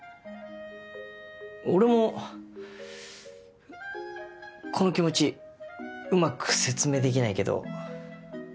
俺もこの気持ちうまく説明できないけど。